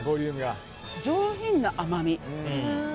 上品な甘み。